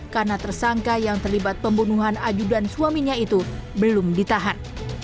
karena tersangka yang terlibat pembunuhan ajudan suaminya itu belum ditahan